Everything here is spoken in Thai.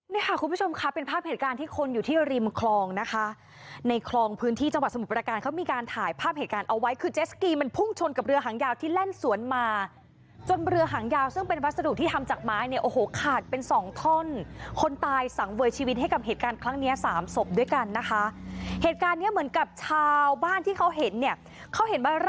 นี่ค่ะคุณผู้ชมค่ะเป็นภาพเหตุการณ์ที่คนอยู่ที่ริมคลองนะคะในคลองพื้นที่จังหวัดสมุทรปราการเขามีการถ่ายภาพเหตุการณ์เอาไว้คือเจสกี้มันพุ่งชนกับเรือหางยาวที่แล่นสวนมาจนเรือหางยาวซึ่งเป็นวัสดุที่ทำจากไม้เนี่ยโอ้โหขาดเป็นสองท่อนคนตายสั่งเวยชีวิตให้กับเหตุการณ์ครั้งเนี้ยสามศพด้วยกั